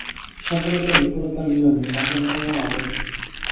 সফলতা ও বিফলতার নিয়মে বাসনাসমূহ আবদ্ধ।